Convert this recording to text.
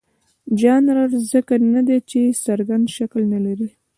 ژانر ځکه نه دی چې څرګند شکل نه لري.